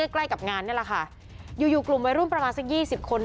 ใกล้กับงานนี่แหละค่ะอยู่อยู่กลุ่มวัยรุ่นประมาณสัก๒๐คน